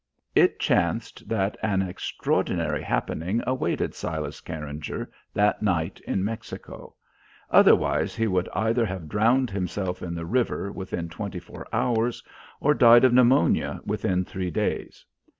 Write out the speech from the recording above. It chanced that an extraordinary happening awaited Silas Carringer that night in Mexico; otherwise he would either have drowned himself in the river within twenty four hours or died of pneumonia within three days.